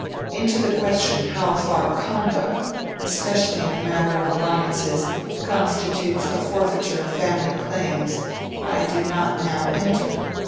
Into the question how far conduct, especially in the matter of alliances, constitutes a forfeiture of family claims, I do not now enter.